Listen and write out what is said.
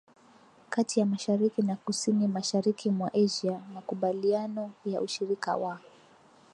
kati ya Mashariki na Kusini Mashariki mwa Asia Makubaliano ya Ushirika wa